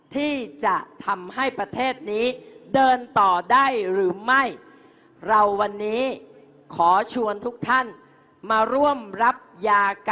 ที่จะทำให้ประเทศนี้เดินต่อได้หรือไม่เราวันนี้ขอชวนทุกท่านมาร่วมรับยากันนี้ค่ะ